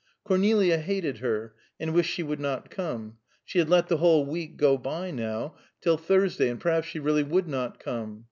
Cornelia hated her, and wished she would not come; she had let the whole week go by, now, till Thursday, and perhaps she really would not come.